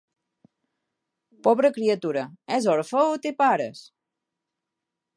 Pobra criatura, és orfe o té pares?